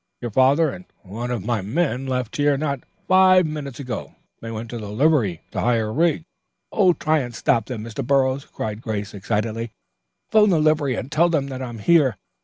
Your father and one of my men left here not five minutes ago. They went to the livery to hire a rig." "Oh, try and stop them, Mr. Burroughs," cried Grace excitedly. "'Phone the livery and tell them that I'm here.